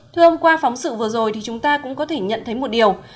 thưa ông qua phóng sự vừa rồi thì chúng ta cũng có thể nhận thấy một điều